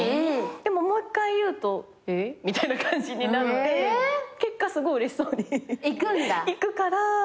でももう一回言うと「えっ？」みたいな感じになって結果すごいうれしそうに行くから。